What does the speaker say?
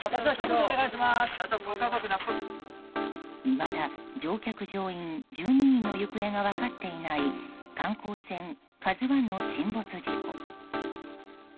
いまだ乗客・乗員１２人の行方が分かっていない観光船「ＫＡＺＵ１」の沈没事故。